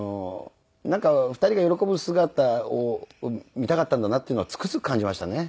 ２人が喜ぶ姿を見たかったんだなっていうのはつくづく感じましたね。